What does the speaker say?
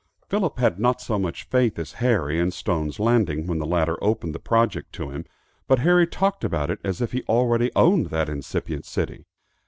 Philip had not so much faith as Harry in Stone's Landing, when the latter opened the project to him, but Harry talked about it as if he already owned that incipient city.